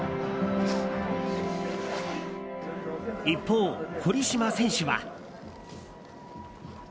一方、堀島選手は。